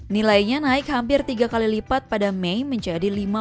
nilainya naik hampir tiga kali lipat pada mei menjadi rp lima tujuh puluh empat triliun